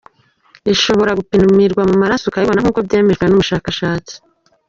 ishobora gupimirwa mu maraso ukayibona nk’uko byemejwe n’ubushakashatsi